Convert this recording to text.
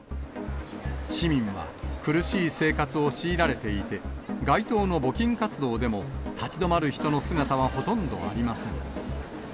市民は苦しい生活を強いられていて、街頭の募金活動でも、立ち止まる人の姿はほとんどありません。